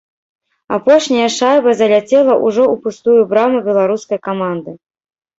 Апошняя шайба заляцела ўжо ў пустую браму беларускай каманды.